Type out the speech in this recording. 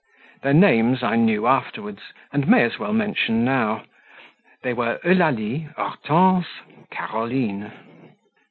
Their names I knew afterwards, and may as well mention now; they were Eulalie, Hortense, Caroline.